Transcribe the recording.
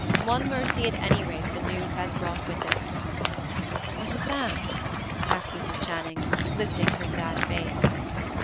One mercy, at any rate, the news has brought with it." "What is that?" asked Mrs. Channing, lifting her sad face.